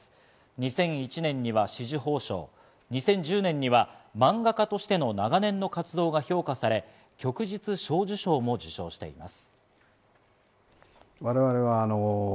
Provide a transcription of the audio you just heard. ２００１年には紫綬褒章、２０１０年には漫画家としての長年の活動が評価され、旭日小綬章も受章しています。